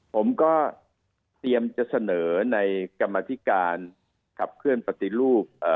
ผมก็เตรียมจะเสนอในกรรมธิการขับเคลื่อนปฏิรูป